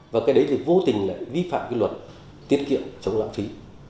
và cái đấy thì vô tình lại vi phạm cái luật tiết kiệm chống lãng phí